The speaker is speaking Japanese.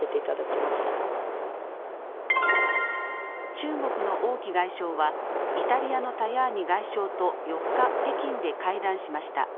中国の王毅外相は、イタリアのタヤーニ外相と４日、北京で会談しました。